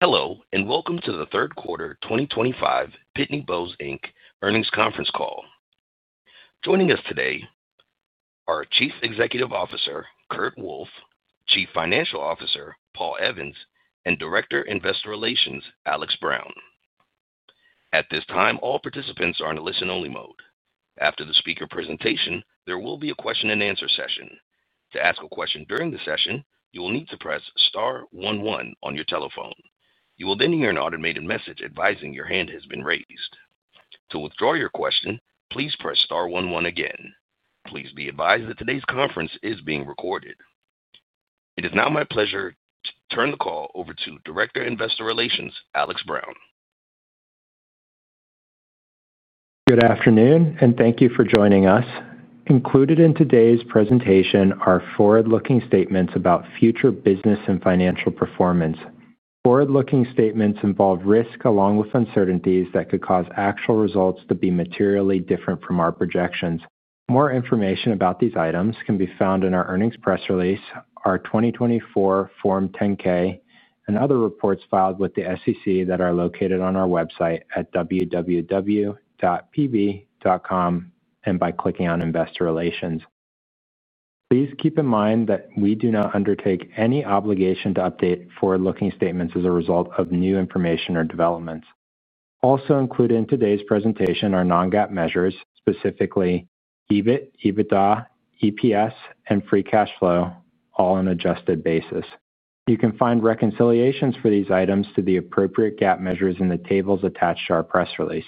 Hello, and welcome to the third quarter 2025 Pitney Bowes Inc. earnings conference call. Joining us today are Chief Executive Officer Kurt Wolf, Chief Financial Officer Paul Evans, and Director of Investor Relations Alex Brown. At this time, all participants are in a listen-only mode. After the speaker presentation, there will be a question-and-answer session. To ask a question during the session, you will need to press star one, one on your telephone. You will then hear an automated message advising your hand has been raised. To withdraw your question, please press star one, one again. Please be advised that today's conference is being recorded. It is now my pleasure to turn the call over to Director of Investor Relations Alex Brown. Good afternoon, and thank you for joining us. Included in today's presentation are forward-looking statements about future business and financial performance. Forward-looking statements involve risk along with uncertainties that could cause actual results to be materially different from our projections. More information about these items can be found in our earnings press release, our 2024 Form 10-K, and other reports filed with the SEC that are located on our website at www.pb.com and by clicking on Investor Relations. Please keep in mind that we do not undertake any obligation to update forward-looking statements as a result of new information or developments. Also included in today's presentation are non-GAAP measures, specifically EBIT, EBITDA, EPS, and free cash flow, all on an adjusted basis. You can find reconciliations for these items to the appropriate GAAP measures in the tables attached to our press release.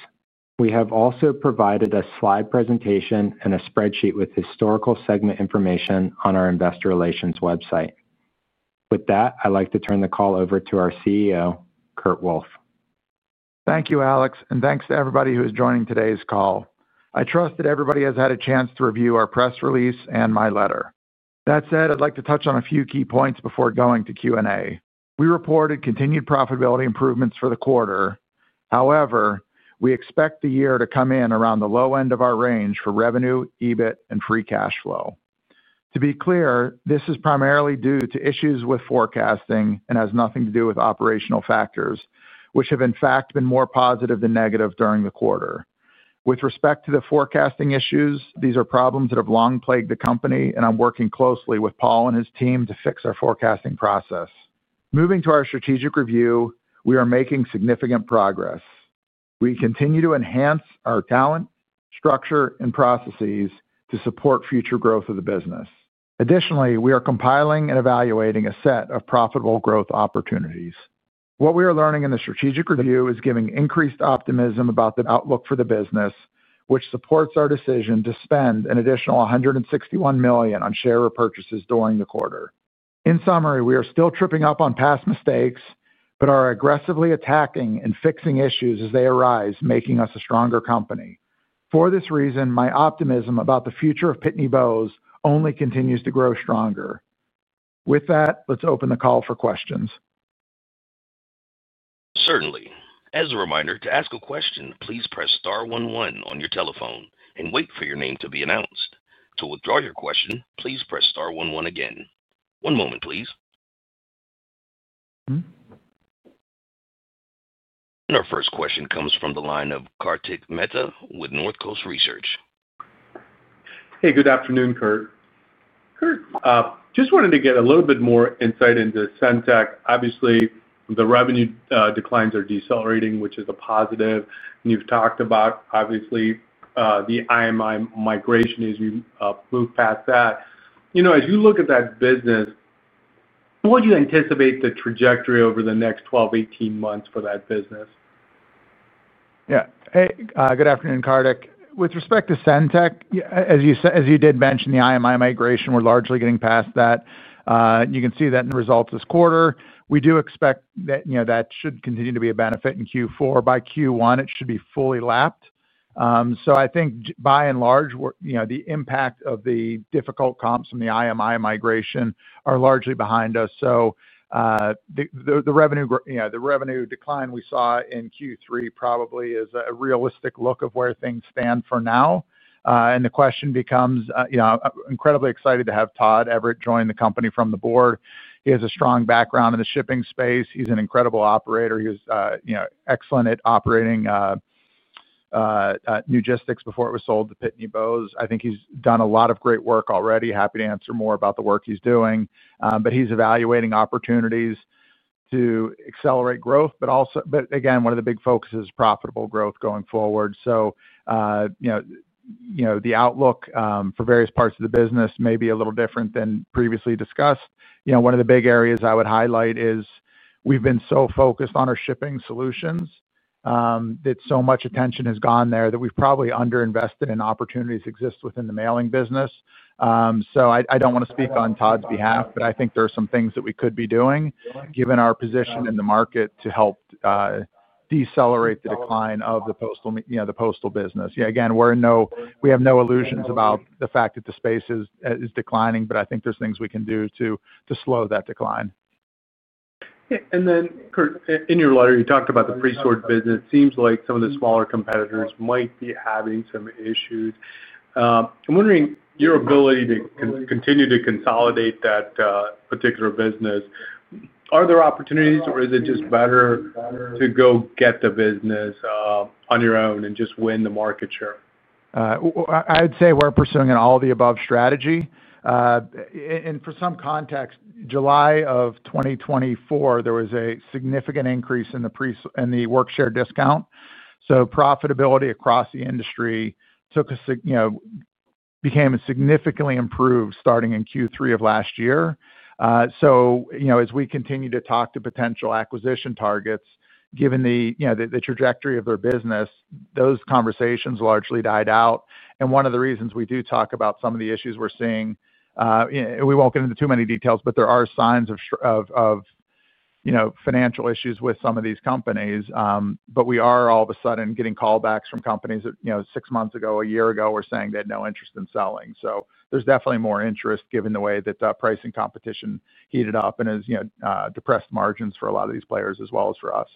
We have also provided a slide presentation and a spreadsheet with historical segment information on our Investor Relations website. With that, I'd like to turn the call over to our CEO, Kurt Wolf. Thank you, Alex, and thanks to everybody who is joining today's call. I trust that everybody has had a chance to review our press release and my letter. That said, I'd like to touch on a few key points before going to Q&A. We reported continued profitability improvements for the quarter. However, we expect the year to come in around the low end of our range for revenue, EBIT, and free cash flow. To be clear, this is primarily due to issues with forecasting and has nothing to do with operational factors, which have in fact been more positive than negative during the quarter. With respect to the forecasting issues, these are problems that have long plagued the company, and I'm working closely with Paul and his team to fix our forecasting process. Moving to our strategic review, we are making significant progress. We continue to enhance our talent, structure, and processes to support future growth of the business. Additionally, we are compiling and evaluating a set of profitable growth opportunities. What we are learning in the strategic review is giving increased optimism about the outlook for the business, which supports our decision to spend an additional $161 million on share repurchases during the quarter. In summary, we are still tripping up on past mistakes, but are aggressively attacking and fixing issues as they arise, making us a stronger company. For this reason, my optimism about the future of Pitney Bowes only continues to grow stronger. With that, let's open the call for questions. Certainly. As a reminder, to ask a question, please press star one, one on your telephone and wait for your name to be announced. To withdraw your question, please press star one, one again. One moment, please. Our first question comes from the line of Kartik Mehta with Northcoast Research. Hey, good afternoon, Kurt. Kurt, just wanted to get a little bit more insight into SendTech. Obviously, the revenue declines are decelerating, which is a positive. You've talked about, obviously, the IMI migration as we move past that. As you look at that business, what do you anticipate the trajectory over the next 12-18 months for that business? Yeah. Hey, good afternoon, Kartik. With respect to SendTech, as you did mention, the IMI migration, we're largely getting past that. You can see that results this quarter. We do expect that should continue to be a benefit in Q4. By Q1, it should be fully lapped. I think, by and large, the impact of the difficult comps from the IMI migration are largely behind us. The revenue decline we saw in Q3 probably is a realistic look of where things stand for now. The question becomes, I'm incredibly excited to have Todd Everett join the company from the board. He has a strong background in the shipping space. He's an incredible operator. He was excellent at Operating Logistics before it was sold to Pitney Bowes. I think he's done a lot of great work already. Happy to answer more about the work he's doing. He's evaluating opportunities to accelerate growth, but again, one of the big focuses is profitable growth going forward. The outlook for various parts of the business may be a little different than previously discussed. One of the big areas I would highlight is we've been so focused on our shipping solutions that so much attention has gone there that we've probably underinvested in opportunities that exist within the Mailing business. I don't want to speak on Todd's behalf, but I think there are some things that we could be doing given our position in the market to help decelerate the decline of the postal business. We have no illusions about the fact that the space is declining, but I think there's things we can do to slow that decline. Kurt, in your letter, you talked about the Presort Services business. It seems like some of the smaller competitors might be having some issues. I'm wondering your ability to continue to consolidate that particular business. Are there opportunities, or is it just better to go get the business on your own and just win the market share? I would say we're pursuing an all of the above strategy. For some context, in July 2024, there was a significant increase in the work share discount. Profitability across the industry became significantly improved starting in Q3 of last year. As we continue to talk to potential acquisition targets, given the trajectory of their business, those conversations largely died out. One of the reasons we do talk about some of the issues we're seeing, we won't get into too many details, but there are signs of financial issues with some of these companies. We are all of a sudden getting callbacks from companies that six months ago, a year ago, were saying they had no interest in selling. There's definitely more interest given the way that pricing competition heated up and has depressed margins for a lot of these players as well as for us.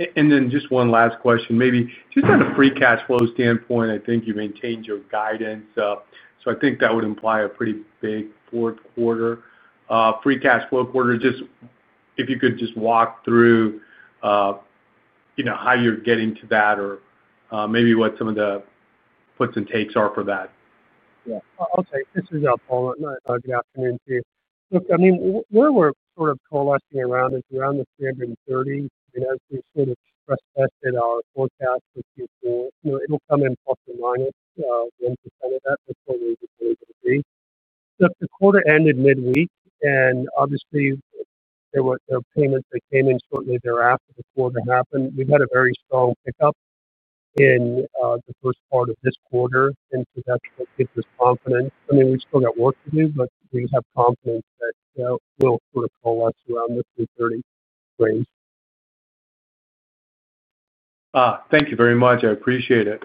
Just one last question, maybe just on a free cash flow standpoint. I think you maintained your guidance. I think that would imply a pretty big fourth quarter free cash flow quarter. If you could just walk through how you're getting to that or maybe what some of the puts and takes are for that. Yeah. Okay. This is Paul. Good afternoon to you. Look, I mean, where we're sort of coalescing around is around the standard 30s. I mean, as we sort of stress tested our forecast for Q4, it'll come in plus or minus 1% of that before we really get a date. The quarter ended midweek, and obviously, there were payments that came in shortly thereafter the quarter happened. We've had a very strong pickup in the first part of this quarter, and that gives us confidence. We've still got work to do, but we have confidence that we'll sort of coalesce around the $330 range. Thank you very much. I appreciate it.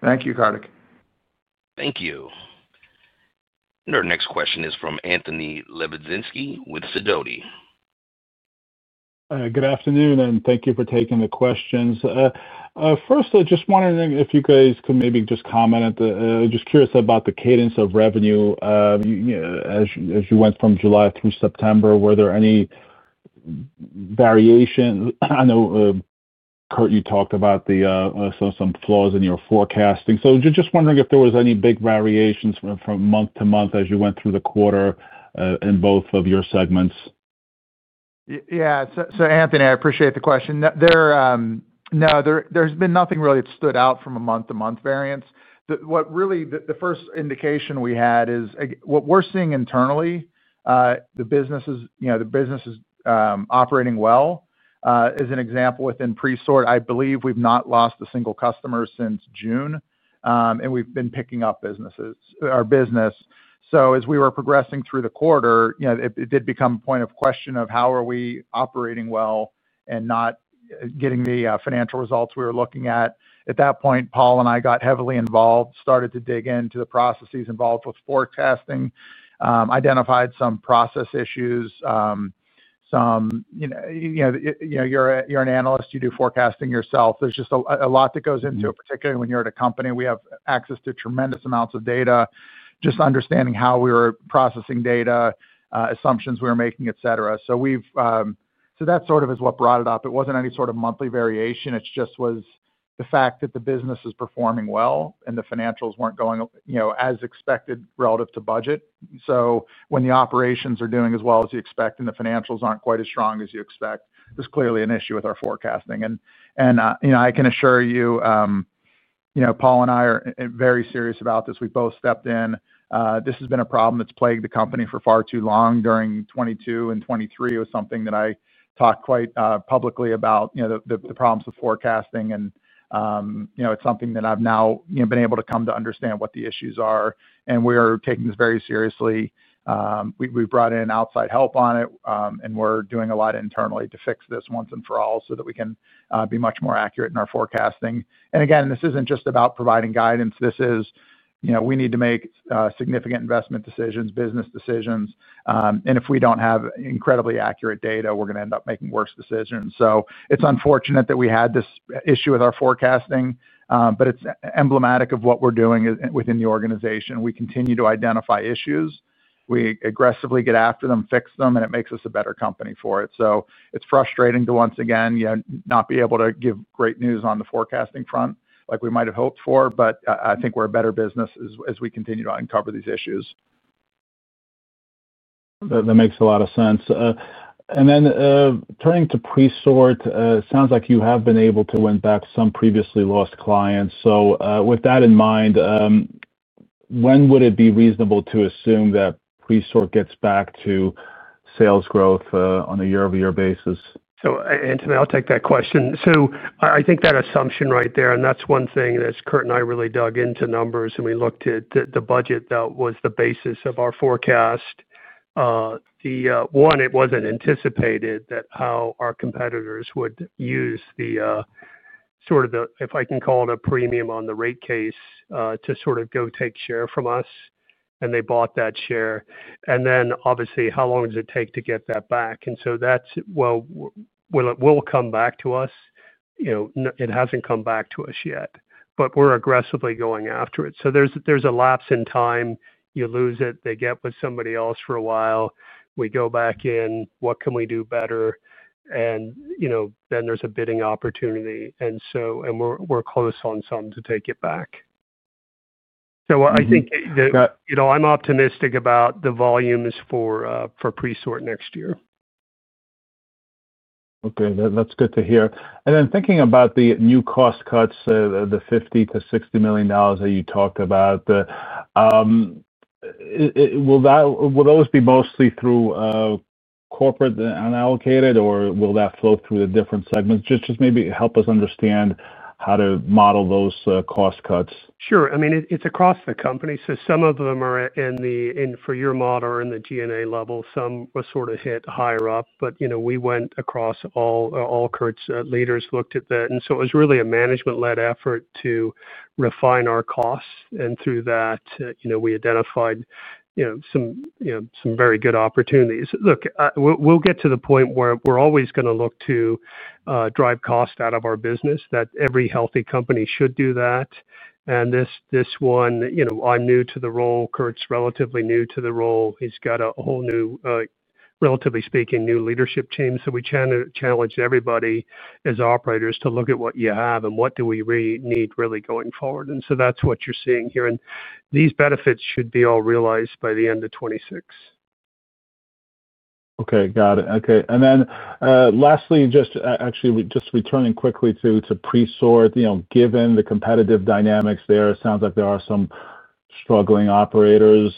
Thank you, Kartik. Thank you. Our next question is from Anthony Lebiedzinski with Sidoti. Good afternoon, and thank you for taking the questions. First, I just wanted to know if you guys could maybe just comment at the, just curious about the cadence of revenue. As you went from July through September, were there any variations? I know, Kurt, you talked about some flaws in your forecasting. Just wondering if there were any big variations from month to month as you went through the quarter in both of your segments. Yeah. Anthony, I appreciate the question. There's been nothing really that stood out from a month-to-month variance. The first indication we had is what we're seeing internally, the business is operating well. As an example, within Presort Services, I believe we've not lost a single customer since June, and we've been picking up our business. As we were progressing through the quarter, it did become a point of question of how are we operating well and not getting the financial results we were looking at. At that point, Paul and I got heavily involved, started to dig into the processes involved with forecasting, identified some process issues. You're an analyst. You do forecasting yourself. There's just a lot that goes into it, particularly when you're at a company. We have access to tremendous amounts of data, just understanding how we were processing data, assumptions we were making, etc. That sort of is what brought it up. It wasn't any sort of monthly variation. It just was the fact that the business is performing well and the financials weren't going as expected relative to budget. When the operations are doing as well as you expect and the financials aren't quite as strong as you expect, there's clearly an issue with our forecasting. I can assure you, Paul and I are very serious about this. We both stepped in. This has been a problem that's plagued the company for far too long. During 2022 and 2023, it was something that I talked quite publicly about, the problems with forecasting. It's something that I've now been able to come to understand what the issues are. We are taking this very seriously. We brought in outside help on it, and we're doing a lot internally to fix this once and for all so that we can be much more accurate in our forecasting. This isn't just about providing guidance. We need to make significant investment decisions, business decisions. If we don't have incredibly accurate data, we're going to end up making worse decisions. It's unfortunate that we had this issue with our forecasting, but it's emblematic of what we're doing within the organization. We continue to identify issues. We aggressively get after them, fix them, and it makes us a better company for it. It's frustrating to once again not be able to give great news on the forecasting front like we might have hoped for, but I think we're a better business as we continue to uncover these issues. That makes a lot of sense. Turning to Presort Services, it sounds like you have been able to win back some previously lost clients. With that in mind, when would it be reasonable to assume that Presort Services gets back to sales growth on a year-over-year basis? Anthony, I'll take that question. I think that assumption right there, and that's one thing that Kurt and I really dug into numbers, and we looked at the budget that was the basis of our forecast. One, it wasn't anticipated that how our competitors would use the sort of the, if I can call it a premium on the rate case, to sort of go take share from us. They bought that share. Obviously, how long does it take to get that back? That's, will it come back to us? You know, it hasn't come back to us yet, but we're aggressively going after it. There's a lapse in time. You lose it. They get with somebody else for a while. We go back in. What can we do better? You know, then there's a bidding opportunity, and we're close on some to take it back. I think that, you know, I'm optimistic about the volumes for Presort Services next year. That's good to hear. Thinking about the new cost cuts, the $50 to $60 million that you talked about, will those be mostly through corporate and allocated, or will that flow through the different segments? Just maybe help us understand how to model those cost cuts. Sure. I mean, it's across the company. Some of them are in the, for your model, are in the G&A level. Some were sort of hit higher up. We went across all, all Kurt's leaders looked at that. It was really a management-led effort to refine our costs. Through that, we identified some very good opportunities. Look, we'll get to the point where we're always going to look to drive cost out of our business. Every healthy company should do that. I'm new to the role. Kurt's relatively new to the role. He's got a whole new, relatively speaking, new leadership team. We challenged everybody as operators to look at what you have and what do we really need really going forward. That's what you're seeing here. These benefits should be all realized by the end of 2026. Okay. Got it. Okay. Lastly, just actually just returning quickly to Presort Services, you know, given the competitive dynamics there, it sounds like there are some struggling operators.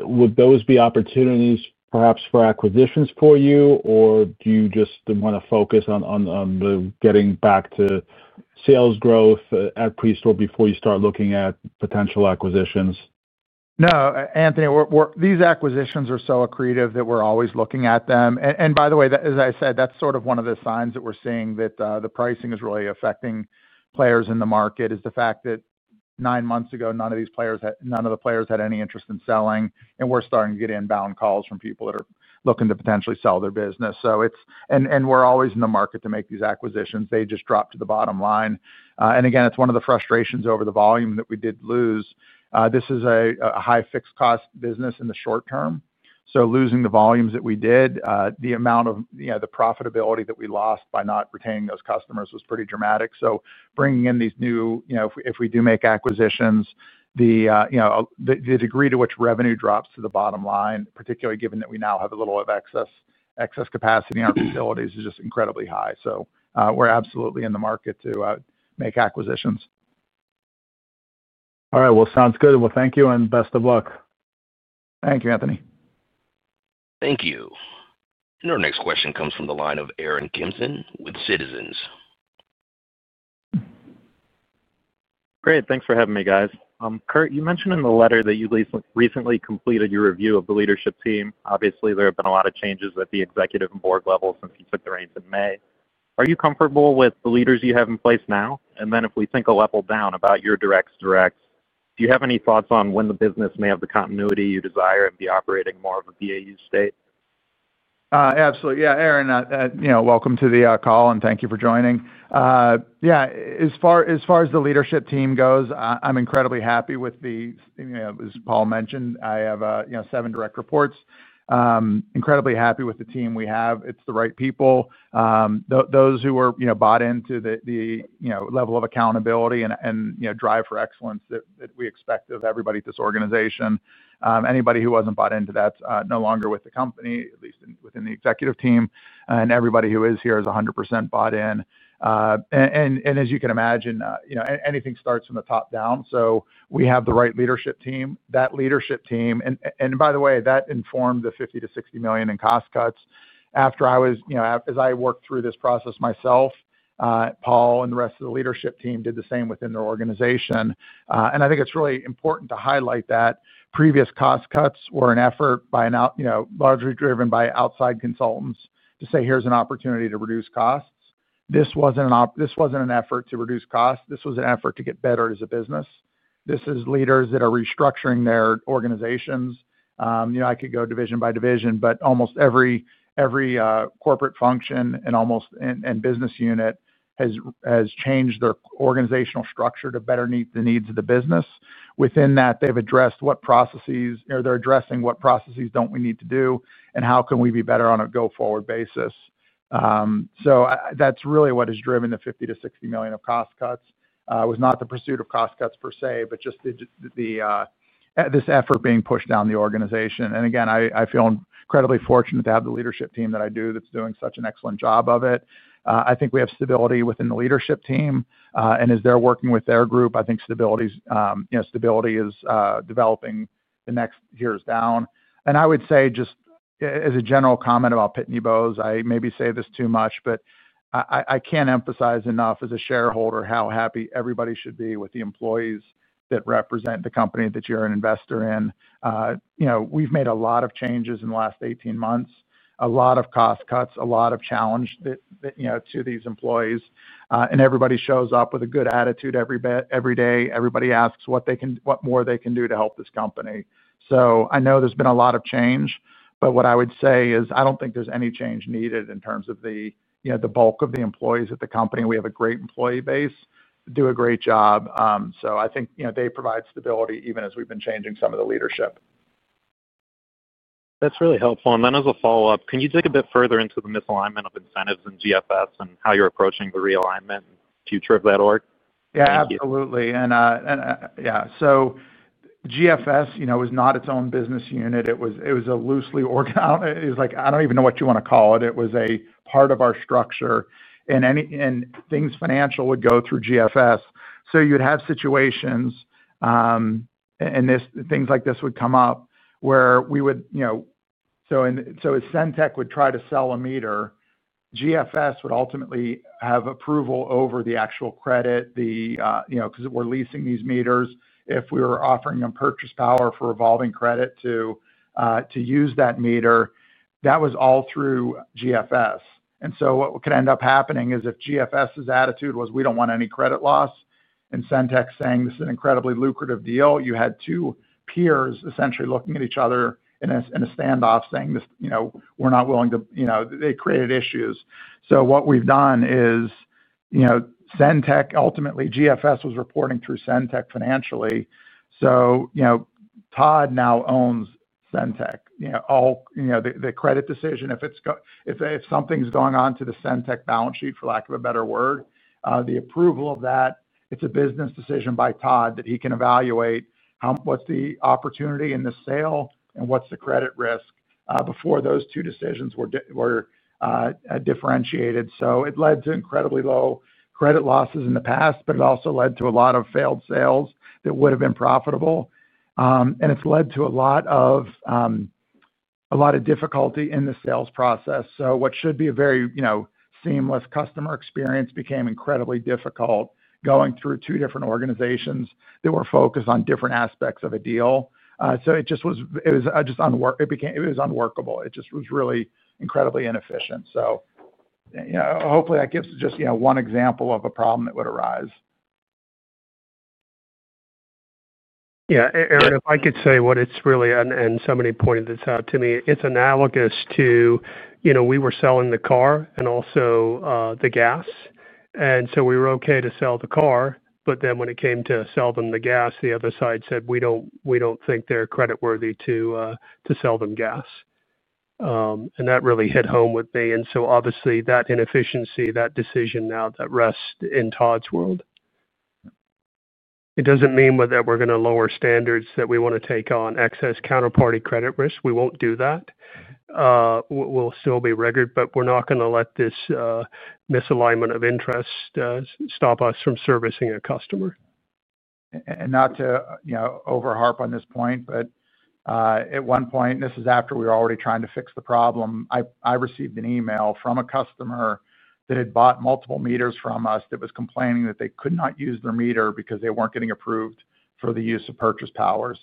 Would those be opportunities perhaps for acquisitions for you, or do you just want to focus on getting back to sales growth at Presort Services before you start looking at potential acquisitions? No, Anthony, these acquisitions are so accretive that we're always looking at them. By the way, as I said, that's sort of one of the signs that we're seeing that the pricing is really affecting players in the market is the fact that nine months ago, none of these players had any interest in selling. We're starting to get inbound calls from people that are looking to potentially sell their business. We're always in the market to make these acquisitions. They just drop to the bottom line. Again, it's one of the frustrations over the volume that we did lose. This is a high fixed cost business in the short term. Losing the volumes that we did, the amount of, you know, the profitability that we lost by not retaining those customers was pretty dramatic. Bringing in these new, you know, if we do make acquisitions, the degree to which revenue drops to the bottom line, particularly given that we now have a little bit of excess capacity in our facilities, is just incredibly high. We're absolutely in the market to make acquisitions. All right. Sounds good. Thank you and best of luck. Thank you, Anthony. Thank you. Our next question comes from the line of Aaron Kimson with Citizens. Great. Thanks for having me, guys. Kurt, you mentioned in the letter that you recently completed your review of the leadership team. Obviously, there have been a lot of changes at the executive and board level since you took the reins in May. Are you comfortable with the leaders you have in place now? If we think a level down about your direct-to-directs, do you have any thoughts on when the business may have the continuity you desire and be operating more of a BAU state? Absolutely. Aaron, welcome to the call and thank you for joining. As far as the leadership team goes, I'm incredibly happy with the, as Paul mentioned, I have seven direct reports. I'm incredibly happy with the team we have. It's the right people. Those who were bought into the level of accountability and drive for excellence that we expect of everybody at this organization. Anybody who wasn't bought into that's no longer with the company, at least within the executive team. Everybody who is here is 100% bought in. As you can imagine, anything starts from the top down. We have the right leadership team. That leadership team, and by the way, that informed the $50 million to $60 million in cost cuts after I was, as I worked through this process myself, Paul and the rest of the leadership team did the same within their organization. I think it's really important to highlight that previous cost cuts were an effort largely driven by outside consultants to say, "Here's an opportunity to reduce costs." This wasn't an effort to reduce costs. This was an effort to get better as a business. This is leaders that are restructuring their organizations. I could go division by division, but almost every corporate function and almost every business unit has changed their organizational structure to better meet the needs of the business. Within that, they've addressed what processes, or they're addressing what processes don't we need to do, and how can we be better on a go-forward basis. That's really what has driven the $50 million to $60 million of cost cuts. It was not the pursuit of cost cuts per se, but just this effort being pushed down the organization. I feel incredibly fortunate to have the leadership team that I do that's doing such an excellent job of it. I think we have stability within the leadership team. As they're working with their group, I think stability is developing the next years down. I would say just as a general comment about Pitney Bowes, I maybe say this too much, but I can't emphasize enough as a shareholder how happy everybody should be with the employees that represent the company that you're an investor in. We've made a lot of changes in the last 18 months, a lot of cost cuts, a lot of challenge to these employees. Everybody shows up with a good attitude every day. Everybody asks what more they can do to help this company. I know there's been a lot of change, but what I would say is I don't think there's any change needed in terms of the bulk of the employees at the company. We have a great employee base, do a great job. I think they provide stability even as we've been changing some of the leadership. That's really helpful. As a follow-up, can you dig a bit further into the misalignment of incentives in Global Financial Services and how you're approaching the realignment and future of that organization? Yeah, thank you. Absolutely. GFS, you know, was not its own business unit. It was a loosely organized, it was like, I don't even know what you want to call it. It was a part of our structure, and things financial would go through GFS. You'd have situations, and things like this would come up where, you know, as SendTech would try to sell a meter, GFS would ultimately have approval over the actual credit, you know, because we're leasing these meters. If we were offering them purchase power for revolving credit to use that meter, that was all through GFS. What could end up happening is if GFS's attitude was, "We don't want any credit loss," and SendTech saying, "This is an incredibly lucrative deal," you had two peers essentially looking at each other in a standoff saying, "This, you know, we're not willing to," you know, they created issues. What we've done is, you know, SendTech, ultimately, GFS was reporting through SendTech financially. Todd now owns SendTech. The credit decision, if it's going, if something's going on to the SendTech balance sheet, for lack of a better word, the approval of that, it's a business decision by Todd that he can evaluate how much the opportunity in the sale and what's the credit risk. Before, those two decisions were differentiated. It led to incredibly low credit losses in the past, but it also led to a lot of failed sales that would have been profitable. It's led to a lot of difficulty in the sales process. What should be a very seamless customer experience became incredibly difficult going through two different organizations that were focused on different aspects of a deal. It just was, it was just unworkable. It just was really incredibly inefficient. Hopefully, that gives just one example of a problem that would arise. Yeah, Aaron, if I could say what it's really, and somebody pointed this out to me, it's analogous to, you know, we were selling the car and also the gas. We were okay to sell the car, but then when it came to sell them the gas, the other side said, "We don't think they're creditworthy to sell them gas." That really hit home with me. Obviously, that inefficiency, that decision now rests in Todd's world. It doesn't mean that we're going to lower standards or that we want to take on excess counterparty credit risk. We won't do that. We'll still be rigged, but we're not going to let this misalignment of interest stop us from servicing a customer. Not to overharp on this point, but at one point, after we were already trying to fix the problem, I received an email from a customer that had bought multiple meters from us that was complaining that they could not use their meter because they weren't getting approved for the use of purchase power.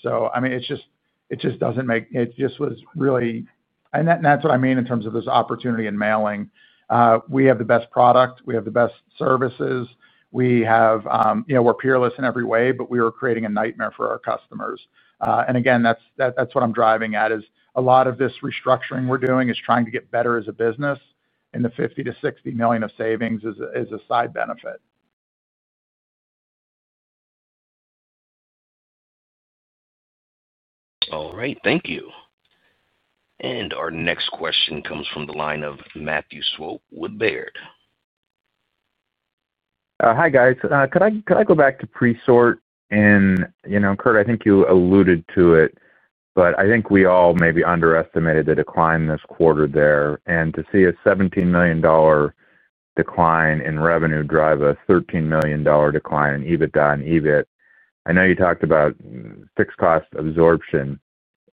It just doesn't make, it just was really, and that's what I mean in terms of this opportunity in mailing. We have the best product. We have the best services. We're peerless in every way, but we were creating a nightmare for our customers. That's what I'm driving at. A lot of this restructuring we're doing is trying to get better as a business, and the $50 million to $60 million of savings is a side benefit. All right. Thank you. Our next question comes from the line of Matthew Swope with Baird. Hi, guys. Could I go back to Presort? Kurt, I think you alluded to it, but I think we all maybe underestimated the decline this quarter there. To see a $17 million decline in revenue drive a $13 million decline in EBITDA and EBIT, I know you talked about fixed cost absorption,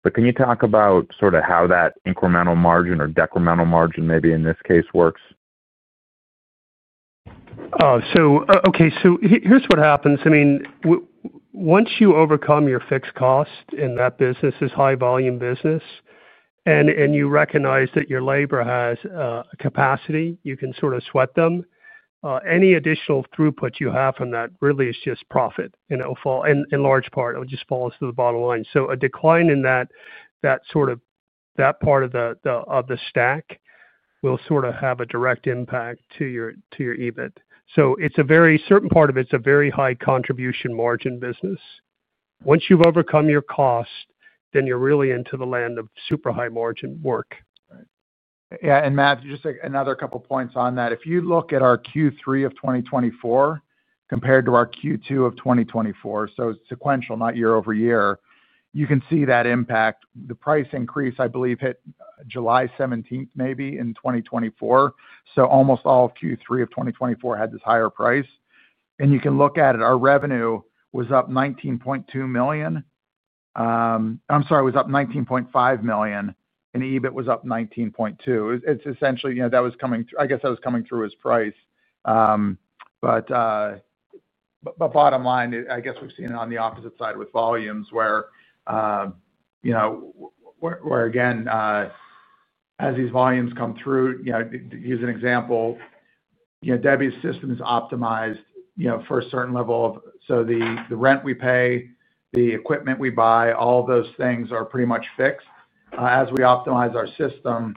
but can you talk about sort of how that incremental margin or decremental margin maybe in this case works? Here's what happens. I mean, once you overcome your fixed cost and that business is a high-volume business, and you recognize that your labor has a capacity, you can sort of sweat them. Any additional throughput you have from that really is just profit, and it will fall, in large part, it just falls to the bottom line. A decline in that sort of that part of the stack will sort of have a direct impact to your EBIT. It's a very certain part of it's a very high contribution margin business. Once you've overcome your cost, then you're really into the land of super high margin work. Yeah. Matt, just another couple of points on that. If you look at our Q3 of 2024 compared to our Q2 of 2024, so it's sequential, not year over year, you can see that impact. The price increase, I believe, hit July 17, maybe, in 2024. Almost all of Q3 of 2024 had this higher price. You can look at it. Our revenue was up $19.5 million, and EBIT was up $19.2 million. It's essentially, you know, that was coming through, I guess that was coming through as price. Bottom line, I guess we've seen it on the opposite side with volumes where, you know, as these volumes come through, you know, to use an example, you know, Debbie's system is optimized, you know, for a certain level of, so the rent we pay, the equipment we buy, all of those things are pretty much fixed. As we optimize our system,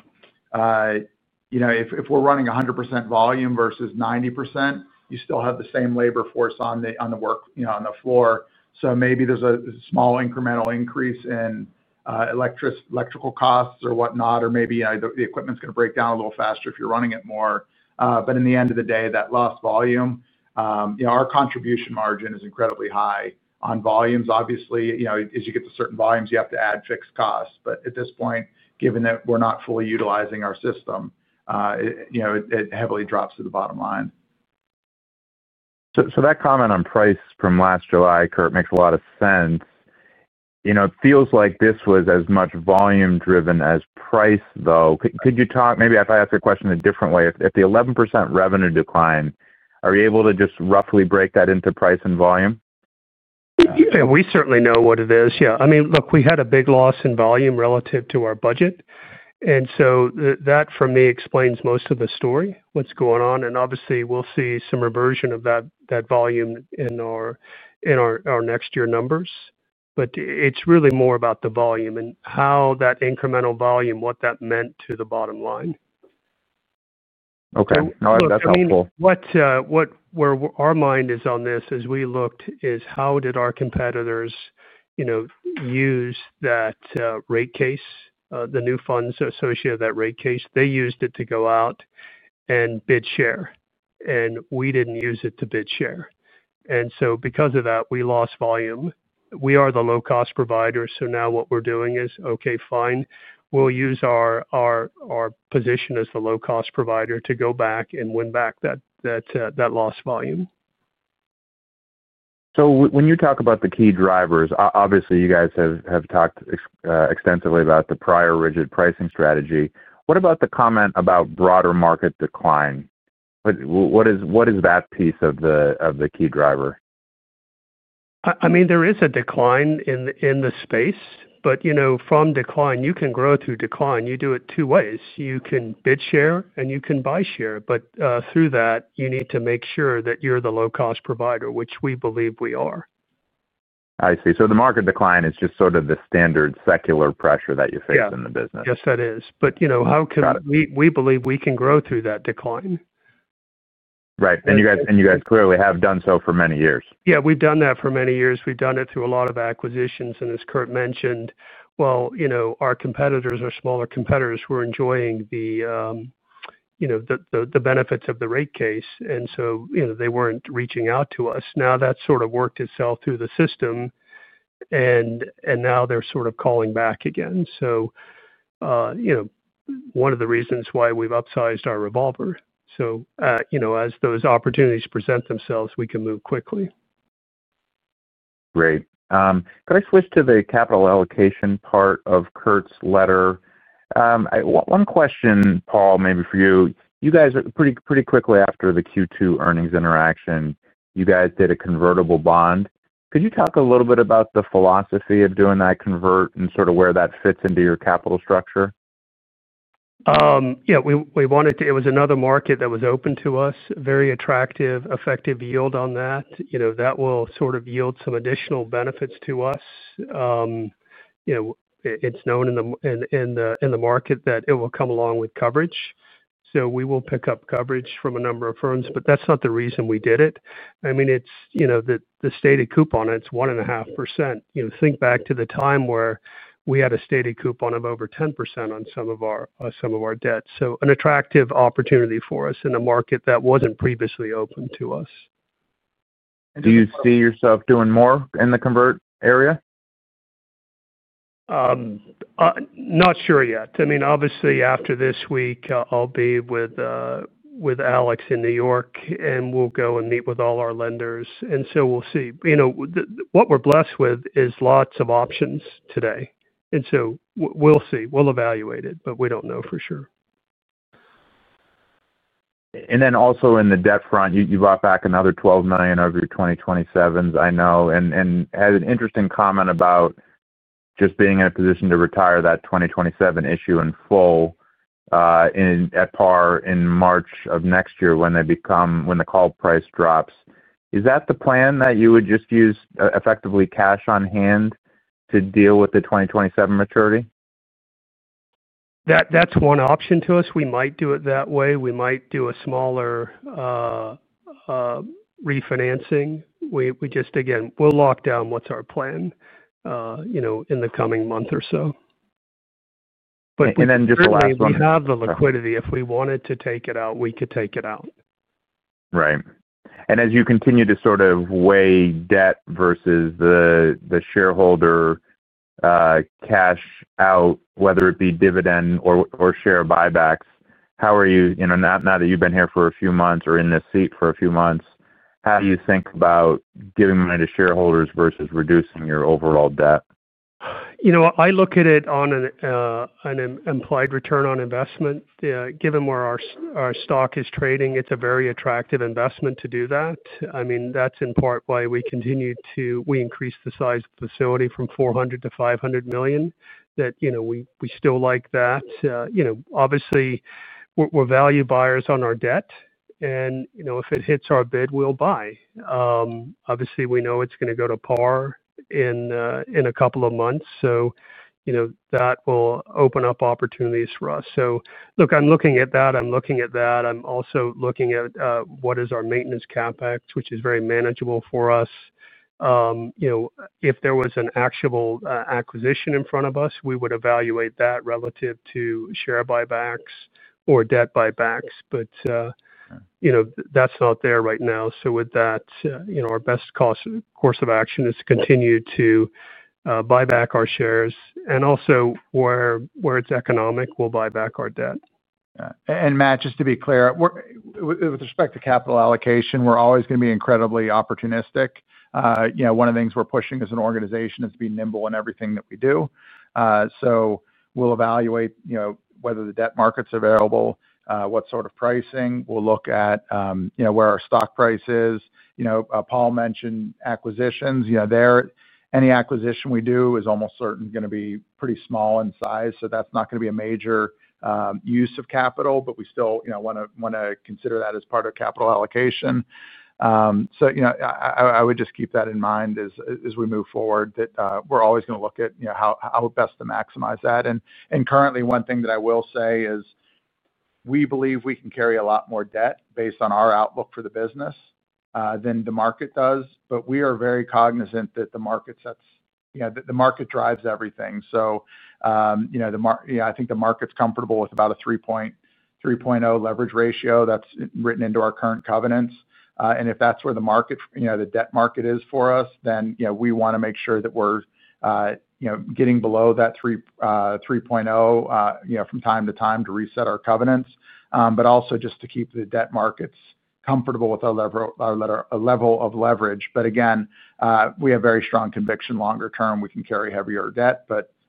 you know, if we're running 100% volume versus 90%, you still have the same labor force on the work, you know, on the floor. Maybe there's a small incremental increase in electrical costs or whatnot, or maybe, you know, the equipment's going to break down a little faster if you're running it more. In the end of the day, that lost volume, you know, our contribution margin is incredibly high on volumes. Obviously, you know, as you get to certain volumes, you have to add fixed costs. At this point, given that we're not fully utilizing our system, you know, it heavily drops to the bottom line. That comment on price from last July, Kurt, makes a lot of sense. It feels like this was as much volume-driven as price, though. Could you talk, maybe if I ask a question in a different way, if the 11% revenue declined, are you able to just roughly break that into price and volume? Yeah, we certainly know what it is. I mean, look, we had a big loss in volume relative to our budget. That, for me, explains most of the story, what's going on. Obviously, we'll see some reversion of that volume in our next year numbers. It's really more about the volume and how that incremental volume, what that meant to the bottom line. Okay, no, that's helpful. What our mind is on this as we looked is how did our competitors, you know, use that rate case, the new funds associated with that rate case. They used it to go out and bid share. We didn't use it to bid share, and because of that, we lost volume. We are the low-cost provider. Now what we're doing is, okay, fine, we'll use our position as the low-cost provider to go back and win back that lost volume. When you talk about the key drivers, obviously, you guys have talked extensively about the prior rigid pricing strategy. What about the comment about broader market decline? What is that piece of the key driver? I mean, there is a decline in the space, but from decline, you can grow through decline. You do it two ways. You can bid share and you can buy share. Through that, you need to make sure that you're the low-cost provider, which we believe we are. I see. The market decline is just sort of the standard secular pressure that you face in the business. Yes, that is. You know, how can we believe we can grow through that decline? Right. You guys clearly have done so for many years. Yeah, we've done that for many years. We've done it through a lot of acquisitions. As Kurt mentioned, our competitors are smaller competitors who are enjoying the benefits of the rate case. They weren't reaching out to us. Now that's sort of worked itself through the system, and now they're sort of calling back again. One of the reasons why we've upsized our revolver is so as those opportunities present themselves, we can move quickly. Great. Could I switch to the capital allocation part of Kurt's letter? One question, Paul, maybe for you. You guys are pretty quickly after the Q2 earnings interaction, you guys did a convertible bond. Could you talk a little bit about the philosophy of doing that convert and sort of where that fits into your capital structure? Yeah, we wanted to. It was another market that was open to us, very attractive, effective yield on that. That will sort of yield some additional benefits to us. It's known in the market that it will come along with coverage. We will pick up coverage from a number of firms, but that's not the reason we did it. I mean, it's the stated coupon and it's 1.5%. Think back to the time where we had a stated coupon of over 10% on some of our debt. An attractive opportunity for us in a market that wasn't previously open to us. Do you see yourself doing more in the convert area? Not sure yet. I mean, obviously, after this week, I'll be with Alex in New York, and we'll go and meet with all our lenders. We'll see. What we're blessed with is lots of options today. We'll evaluate it, but we don't know for sure. On the debt front, you bought back another $12 million of your 2027s, I know. You had an interesting comment about just being in a position to retire that 2027 issue in full, at par in March of next year when the call price drops. Is that the plan, that you would just use effectively cash on hand to deal with the 2027 maturity? That's one option to us. We might do it that way. We might do a smaller refinancing. We'll lock down what's our plan in the coming month or so. Just the last one. If we have the liquidity, if we wanted to take it out, we could take it out. Right. As you continue to sort of weigh debt versus the shareholder cash out, whether it be dividend or share buybacks, how are you, now that you've been here for a few months or in this seat for a few months, how do you think about giving money to shareholders versus reducing your overall debt? I look at it on an implied return on investment. Given where our stock is trading, it's a very attractive investment to do that. That's in part why we continue to, we increase the size of the facility from $400 million to $500 million. We still like that. Obviously, we're value buyers on our debt, and if it hits our bid, we'll buy. Obviously, we know it's going to go to par in a couple of months. That will open up opportunities for us. I'm looking at that. I'm also looking at what is our maintenance CapEx, which is very manageable for us. If there was an actual acquisition in front of us, we would evaluate that relative to share buybacks or debt buybacks, but that's not there right now. With that, our best course of action is to continue to buy back our shares, and also where it's economic, we'll buy back our debt. Matt, just to be clear, with respect to capital allocation, we're always going to be incredibly opportunistic. One of the things we're pushing as an organization is to be nimble in everything that we do. We'll evaluate whether the debt markets are available, what sort of pricing. We'll look at where our stock price is. Paul mentioned acquisitions. Any acquisition we do is almost certainly going to be pretty small in size. That's not going to be a major use of capital, but we still want to consider that as part of capital allocation. I would just keep that in mind as we move forward that we're always going to look at how best to maximize that. Currently, one thing that I will say is we believe we can carry a lot more debt based on our outlook for the business than the market does. We are very cognizant that the market sets, the market drives everything. I think the market's comfortable with about a 3.0 leverage ratio. That's written into our current covenants. If that's where the market, the debt market is for us, then we want to make sure that we're getting below that 3.0 from time to time to reset our covenants, but also just to keep the debt markets comfortable with a level of leverage. We have very strong conviction longer term, we can carry heavier debt.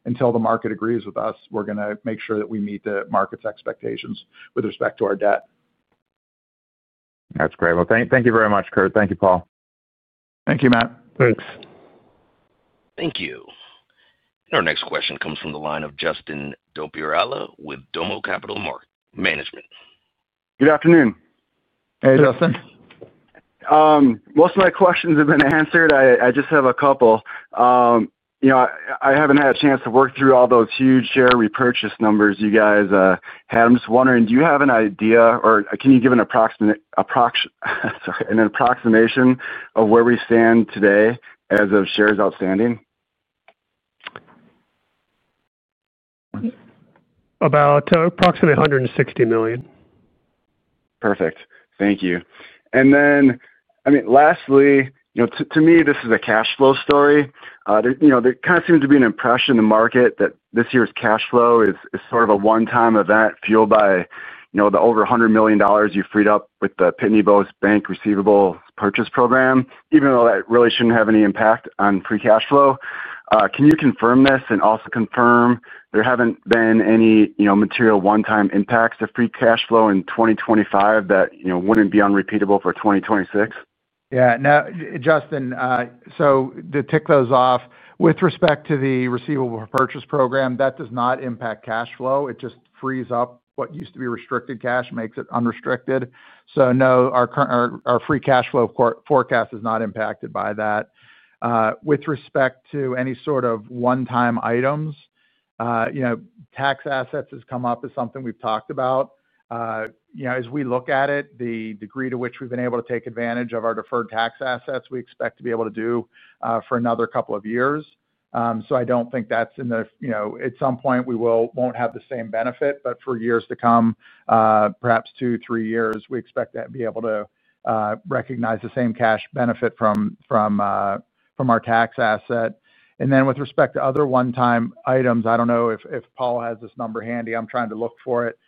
Until the market agrees with us, we're going to make sure that we meet the market's expectations with respect to our debt. That's great. Thank you very much, Kurt. Thank you, Paul. Thank you, Matt. Thanks. Thank you. Our next question comes from the line of Justin Dopierala with DOMO Capital Management. Good afternoon. Hey, Justin. Most of my questions have been answered. I just have a couple. I haven't had a chance to work through all those huge share repurchase numbers you guys had. I'm just wondering, do you have an idea, or can you give an approximation of where we stand today as of shares outstanding? About approximately $160 million. Perfect. Thank you. Lastly, to me, this is a cash flow story. There kind of seems to be an impression in the market that this year's cash flow is sort of a one-time event fueled by the over $100 million you freed up with the Pitney Bowes Bank receivable purchase program, even though that really shouldn't have any impact on free cash flow. Can you confirm this and also confirm there haven't been any material one-time impacts to free cash flow in 2025 that wouldn't be unrepeatable for 2026? Yeah. Now, Justin, to tick those off, with respect to the receivable purchase program, that does not impact cash flow. It just frees up what used to be restricted cash, makes it unrestricted. No, our current, our free cash flow forecast is not impacted by that. With respect to any sort of one-time items, tax assets has come up as something we've talked about. As we look at it, the degree to which we've been able to take advantage of our deferred tax assets, we expect to be able to do for another couple of years. I don't think that's in the, at some point we won't have the same benefit, but for years to come, perhaps two, three years, we expect to be able to recognize the same cash benefit from our tax asset. With respect to other one-time items, I don't know if Paul has this number handy. I'm trying to look for it.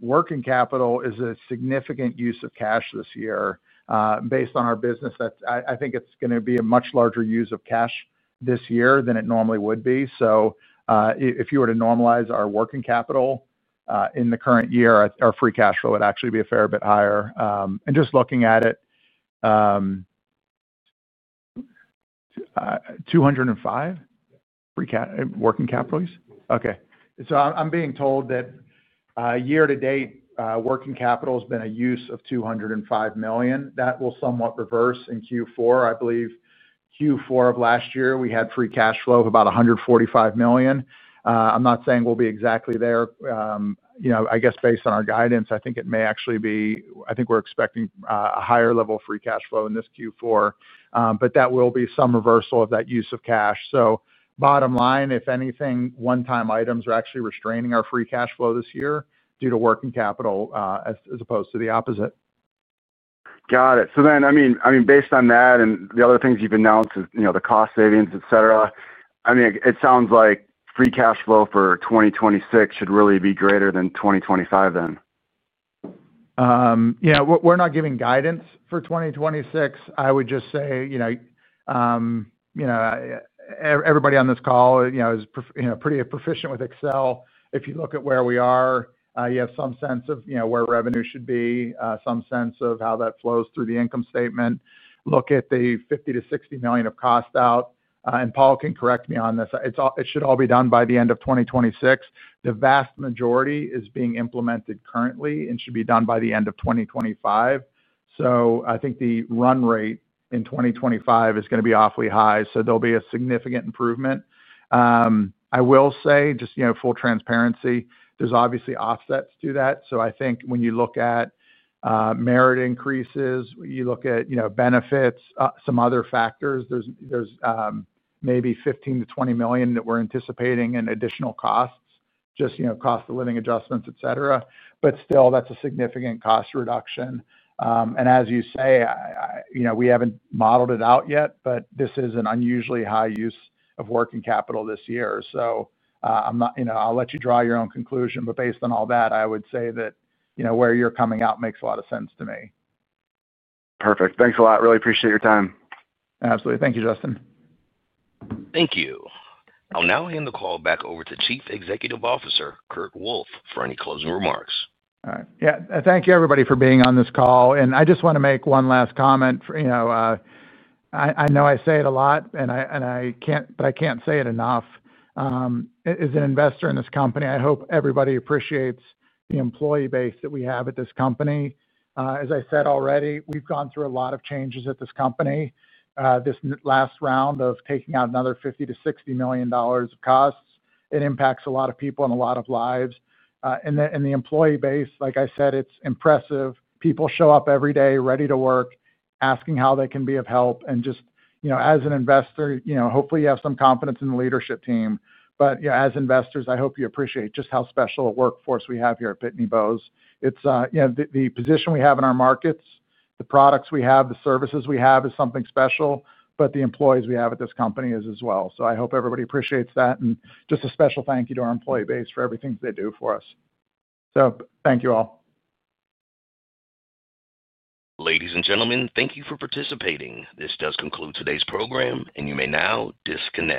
Working capital is a significant use of cash this year. Based on our business, I think it's going to be a much larger use of cash this year than it normally would be. If you were to normalize our working capital in the current year, our free cash flow would actually be a fair bit higher. Just looking at it, $205 million working capital use? Okay. I'm being told that year-to-date working capital has been a use of $205 million. That will somewhat reverse in Q4 I believe. Q4 of last year, we had free cash flow of about $145 million. I'm not saying we'll be exactly there. I guess based on our guidance, I think it may actually be, I think we're expecting a higher level of free cash flow in this Q4. That will be some reversal of that use of cash. Bottom line, if anything, one-time items are actually restraining our free cash flow this year due to working capital as opposed to the opposite. Got it. Based on that and the other things you've announced, you know, the cost savings, etc., it sounds like free cash flow for 2026 should really be greater than 2025 then. Yeah. We're not giving guidance for 2026. I would just say, you know, everybody on this call is pretty proficient with Excel. If you look at where we are, you have some sense of where revenue should be, some sense of how that flows through the income statement. Look at the $50 million to $60 million of cost out. Paul can correct me on this. It should all be done by the end of 2026. The vast majority is being implemented currently and should be done by the end of 2025. I think the run rate in 2025 is going to be awfully high. There'll be a significant improvement. I will say, just, you know, full transparency, there's obviously offsets to that. I think when you look at merit increases, you look at benefits, some other factors, there's maybe $15 million to $20 million that we're anticipating in additional costs, just, you know, cost of living adjustments, etc. Still, that's a significant cost reduction. As you say, we haven't modeled it out yet, but this is an unusually high use of working capital this year. I'm not, you know, I'll let you draw your own conclusion, but based on all that, I would say that where you're coming out makes a lot of sense to me. Perfect. Thanks a lot. Really appreciate your time. Absolutely. Thank you, Justin. Thank you. I'll now hand the call back over to Chief Executive Officer Kurt Wolf for any closing remarks. All right. Thank you, everybody, for being on this call. I just want to make one last comment. I know I say it a lot, and I can't say it enough. As an investor in this company, I hope everybody appreciates the employee base that we have at this company. As I said already, we've gone through a lot of changes at this company. This last round of taking out another $50 million to $60 million of costs impacts a lot of people and a lot of lives. The employee base, like I said, is impressive. People show up every day ready to work, asking how they can be of help. As an investor, hopefully, you have some confidence in the leadership team. As investors, I hope you appreciate just how special a workforce we have here at Pitney Bowes. The position we have in our markets, the products we have, the services we have is something special, but the employees we have at this company is as well. I hope everybody appreciates that. A special thank you to our employee base for everything that they do for us. Thank you all. Ladies and gentlemen, thank you for participating. This does conclude today's program, and you may now disconnect.